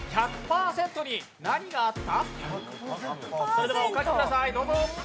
それではお書きください。